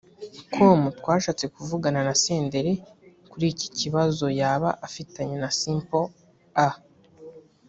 com twashatse kuvuganana Senderi kuri iki kibazoyaba afitanye na Simple A